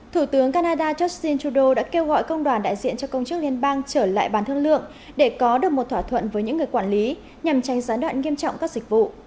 thủ tướng canada justin trudeau đã kêu gọi công đoàn đại diện cho công chức liên bang trở lại bàn thương lượng để có được một thỏa thuận với những người quản lý nhằm tránh gián đoạn nghiêm trọng các dịch vụ